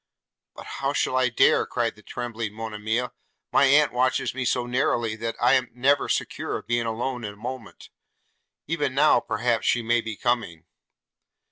'But how shall I dare?' cried the trembling Monimia: 'my aunt watches me so narrowly, that I am never secure of being alone a moment: even now, perhaps, she may be coming.'